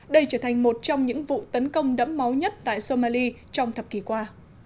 đây trở thành một trong những vụ tấn công đẫm máu nhất tại somali trong thập kỷ qua